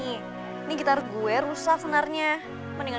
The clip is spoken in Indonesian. ini gitar ogya tuh rusak senarnya